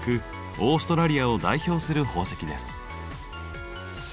オーストラリアを代表する宝石です。